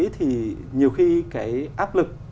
thì nhiều khi cái áp lực